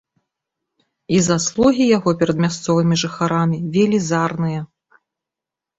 І заслугі яго перад мясцовымі жыхарамі велізарныя.